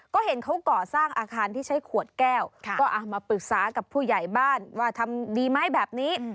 ก็เห็นเขาก่อสร้างอาคารที่ใช้ขวดแก้วก็มาปรึกษากับผู้ใหญ่บ้านว่าทำดีไหมแบบนี้